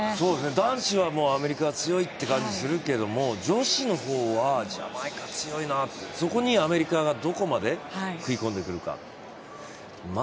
男子はアメリカが強いって感じするけど女子の方はジャマイカ強いな、そこにアメリカがどこまで食い込んでくるか。